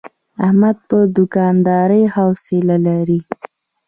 احمد په دوکاندارۍ حوصله لري.